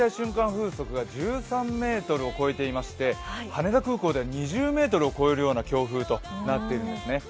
風速が１３メートルを超えていまして羽田空港では２０メートルを超えるような強風になってるんですね。